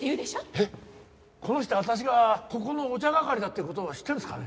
えっこの人私がここのお茶係だっていう事を知ってるんですかね。